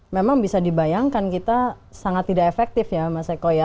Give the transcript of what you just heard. memang bisa dibayangkan kita sangat tidak efektif ya mas eko ya